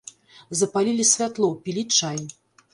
Запалілі святло, пілі чай.